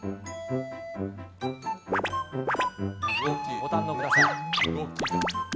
ご堪能ください。